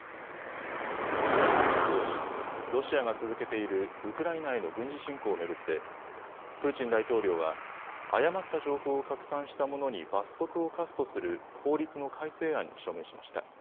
お伝えしていますようにロシアが続けているウクライナへの軍事侵攻を巡ってプーチン大統領は誤った情報を拡散した者に罰則を科すとする法律の改正案に署名しました。